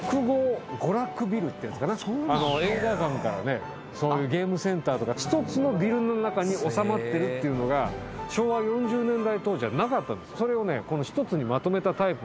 映画館からねゲームセンターとか１つのビルの中に収まっているっていうのが昭和４０年代当時はなかった。